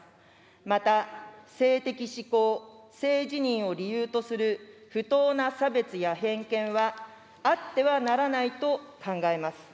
また性的指向、性自認を理由とする不当な差別や偏見はあってはならないと考えます。